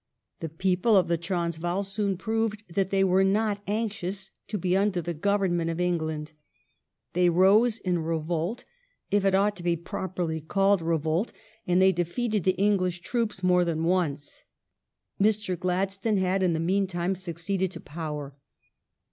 The people of the Transvaal soon proved that they were not anxious to be under the government of England. They rose in revolt, if it ought to be properly called revolt, and they defeated the English troops more than once. Mr. Gladstone had in the meantime succeeded to power.